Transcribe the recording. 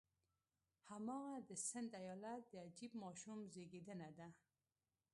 هماغه د سند ایالت د عجیب ماشوم زېږېدنه ده.